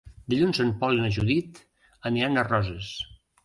Dilluns en Pol i na Judit aniran a Roses.